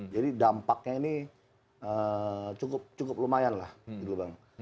jadi dampaknya ini cukup lumayan lah juga bang